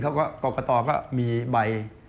เขาก็กรกตอก็มีใบ